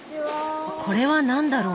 これは何だろう？